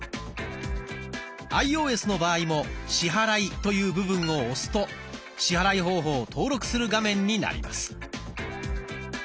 アイオーエスの場合も「支払い」という部分を押すと支払い方法を登録する画面になります。